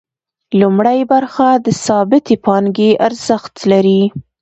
لومړۍ برخه د ثابتې پانګې ارزښت دی